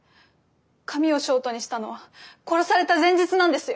髪をショートにしたのは殺された前日なんですよ。